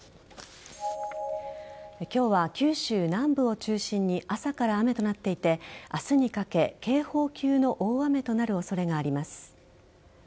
今日は九州南部を中心に朝から雨となっていて明日にかけ警報級の大雨となる恐れがあります。